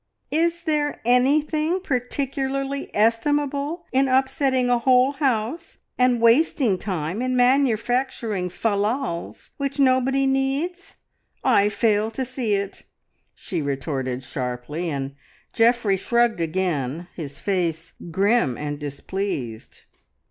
"Is there anything particularly estimable in upsetting a whole house and wasting time in manufacturing fal lals which nobody needs? I fail to see it," she retorted sharply, and Geoffrey shrugged again, his face grim and displeased.